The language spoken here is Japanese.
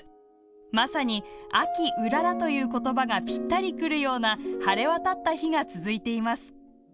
まさに「秋うらら」という言葉がぴったりくるような晴れ渡った日が続いています。